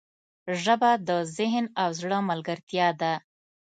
ژبه د ذهن او زړه ملګرتیا ده